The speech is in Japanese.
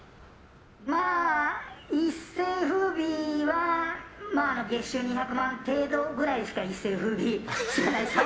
まあ一世風靡は月収２００万程度くらいしか一世風靡してないですね。